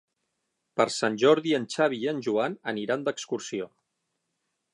Per Sant Jordi en Xavi i en Joan aniran d'excursió.